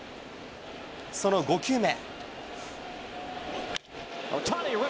その５球目。